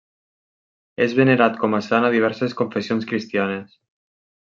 És venerat com a sant a diverses confessions cristianes.